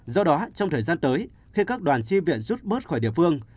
do đó trong thời gian tới khi các đoàn chi viện rút bớt khỏi địa phương